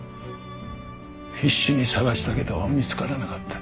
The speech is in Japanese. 必死に捜したけど見つからなかった」。